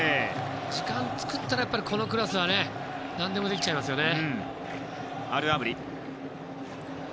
時間を作ったら、このクラスは何でもできちゃいますよね。